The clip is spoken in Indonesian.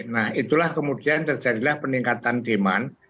nah itulah kemudian terjadilah peningkatan demand